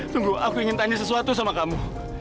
tunggu aku ingin tanya sesuatu sama kamu